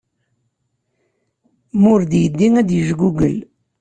Ma ur d-yeddi ad yejgugel.